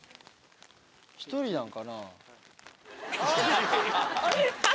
１人なんかな？